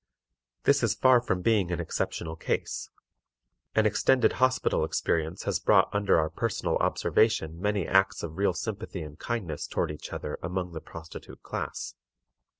This is far from being an exceptional case. An extended hospital experience has brought under our personal observation many acts of real sympathy and kindness toward each other among the prostitute class.